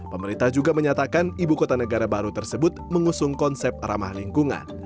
pemerintah juga menyatakan ibu kota negara baru tersebut mengusung konsep ramah lingkungan